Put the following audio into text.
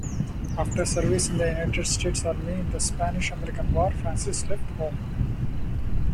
After service in the United States Army in the Spanish-American War, Francis left home.